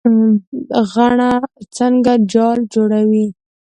غڼه څنګه جال جوړوي؟